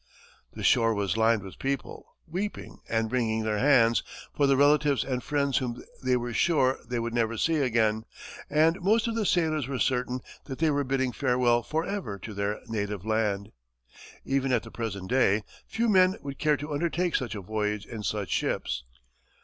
The shore was lined with people weeping and wringing their hands for the relatives and friends whom they were sure they should never see again, and most of the sailors were certain that they were bidding farewell forever to their native land. Even at the present day, few men would care to undertake such a voyage in such ships.